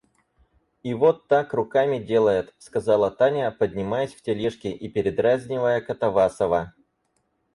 И вот так руками делает, — сказала Таня, поднимаясь в тележке и передразнивая Катавасова.